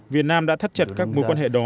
việt nam đã thắt chặt các mối quan hệ đó